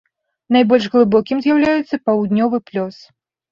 Найбольш глыбокім з'яўляецца паўднёвы плёс.